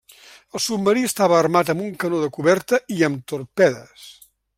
El submarí estava armat amb un canó de coberta i amb torpedes.